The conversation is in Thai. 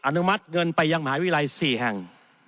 อนุมัติเงินไปยังมหาวิทยาลัย๔แห่ง